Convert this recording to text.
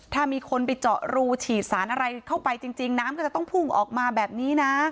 ถ้ามีคนไปเจาะรูฉีดสารอะไรเข้าไปจริงน้ำก็จะต้องพุ่งออกมาแบบนี้นะ